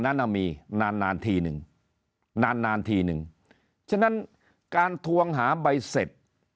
นั้นเอามีนานทีนึงนานทีนึงฉะนั้นการทวงหาใบเสร็จ